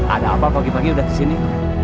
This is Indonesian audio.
ada apa pagi pagi udah kesini